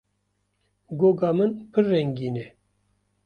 Goga min pir rengîn e.